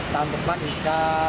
tahun depan bisa